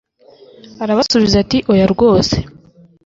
arabasubiza ati 'oya rwose